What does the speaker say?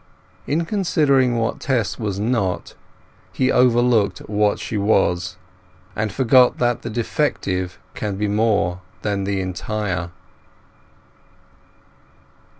In considering what Tess was not, he overlooked what she was, and forgot that the defective can be more than the entire.